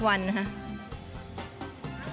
ไอ้กะถิ่นที่เตรียมไว้เนี่ยไม่ต้อง